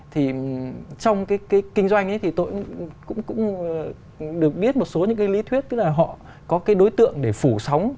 thì trong cái kinh doanh ấy thì tôi cũng được biết một số những cái lý thuyết tức là họ có cái đối tượng để phủ sóng